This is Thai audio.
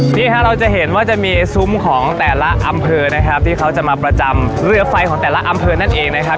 นี่ค่ะเราจะเห็นว่าจะมีซุ้มของแต่ละอำเภอนะครับที่เขาจะมาประจำเรือไฟของแต่ละอำเภอนั่นเองนะครับ